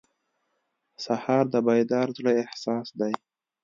سهار د بیدار زړه احساس دی.